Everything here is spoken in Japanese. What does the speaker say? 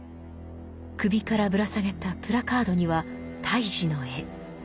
首からぶら下げたプラカードには胎児の絵。